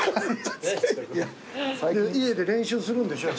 家で練習するんでしょ？